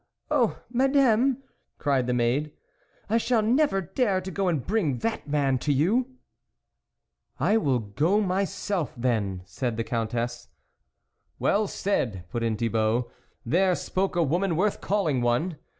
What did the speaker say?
"Oh! Madame," cried the maid, "I shall never dare to go and bring that man to you !"" I will go myself then," said the Countess. " Well said !" put in Thibault, " there spoke a woman worth calling one